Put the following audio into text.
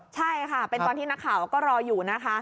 ใช่ค่ะเป็นตอนที่นักข่าวก็รออยู่นะคะ